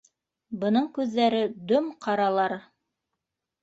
Бының күҙҙәре дөм-ҡаралар.